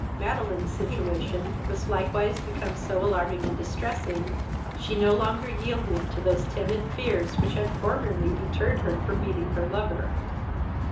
Madeline's situation was likewise become so alarming and distressing, she no longer yielded to those timid fears which had formerly deterred her from meeting her lover.